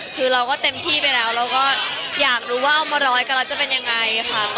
คือเราก็เต็มที่ไปแล้วเราก็อยากรู้ว่าเอามาร้อยกันแล้วจะเป็นยังไงค่ะ